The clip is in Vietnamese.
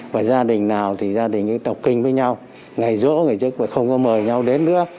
và gia đình nào thì gia đình đọc kinh với nhau ngày rỗ người chức mà không có mời nhau đến nữa